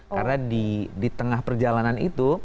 karena di tengah perjalanan itu